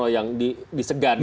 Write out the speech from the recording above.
yang di segan